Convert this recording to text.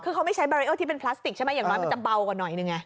คือเขาไม่ใช้บารีเออร์ที่เป็นพลาสติกใช่ไหมอย่างน้อยมันจะเบากว่าหน่อยหนึ่งไง